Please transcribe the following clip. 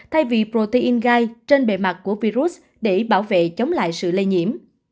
thay vì protein gai trên bề mặt của virus để bảo vệ chống lại sự lây nhiễm